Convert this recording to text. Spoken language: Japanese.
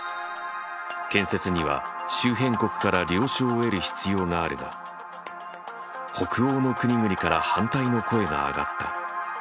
建設には周辺国から了承を得る必要があるが北欧の国々から反対の声が上がった。